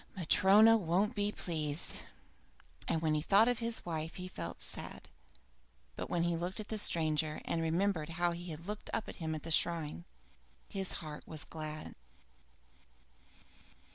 Matryona won't be pleased!" And when he thought of his wife he felt sad; but when he looked at the stranger and remembered how he had looked up at him at the shrine, his heart was glad.